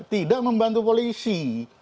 tidak membantu polisi